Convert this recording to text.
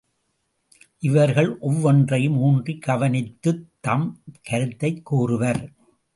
இவர்கள் ஒவ்வொன்றையும் ஊன்றிக் கவனித்துத் தம் கருத்தைக் கூறுவர்.